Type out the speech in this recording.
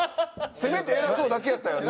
せめて「偉そう」だけやったやんな？